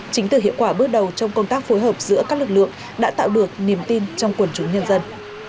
chính từ hiệu quả bước đầu trong công tác phối hợp giữa các lực lượng đã tạo được niềm tin trong quần chúng nhân dân